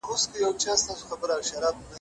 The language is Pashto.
افضل خان خټک د غلجیو د جنګونو یادونه کړې ده.